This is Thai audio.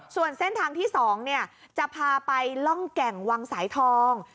ส่วนเส้นทางที่๒จะพาไปล่องแก่งวังสายทอง